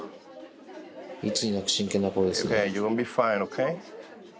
いつになく真剣な顔ですよ。